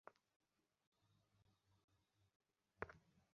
এঁদের মধ্যে রাহুল দ্রাবিড়কেই সঙ্গী হিসেবে সবচেয়ে বেশি পেয়েছেন ক্রিকেট কিংবদন্তি।